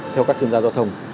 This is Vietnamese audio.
theo các chuyên gia giao thông